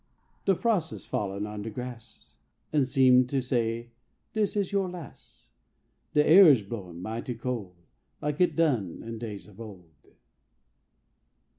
De frost is fallin' on de gras' An' seem to say "Dis is yo' las'" De air is blowin' mighty cold Like it done in days of old.